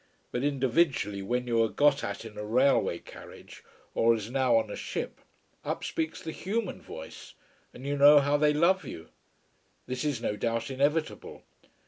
But individually, when you are got at in a railway carriage or as now on a ship, up speaks the human voice, and you know how they love you. This is no doubt inevitable.